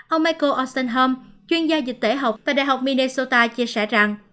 ông michael ostenholm chuyên gia dịch tể học tại đại học minnesota chia sẻ rằng